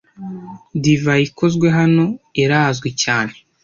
Divayi ikozwe hano irazwi cyane.